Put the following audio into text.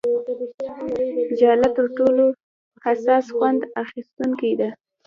ژله تر ټولو حساس خوند اخیستونکې ده.